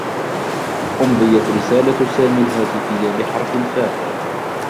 أمضيت رسالة سامي الهاتفيّة بحرف الفاء.